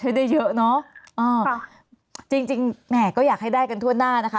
ให้ได้เยอะเนอะอ่าค่ะจริงจริงแหมก็อยากให้ได้กันทั่วหน้านะคะ